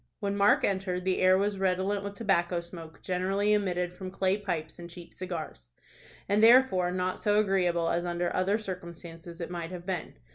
When Mark entered, the air was redolent with tobacco smoke, generally emitted from clay pipes and cheap cigars, and therefore not so agreeable as under other circumstances it might have been.